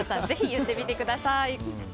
ぜひ言ってみてください。